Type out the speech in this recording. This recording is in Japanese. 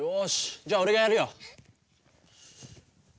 じゃあおれがやるよ。